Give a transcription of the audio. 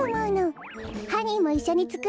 ハニーもいっしょにつくろうね。